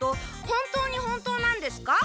本当に本当なんですか？